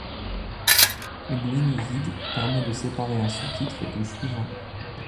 Une ligne vide permet de séparer un sous-titre du suivant.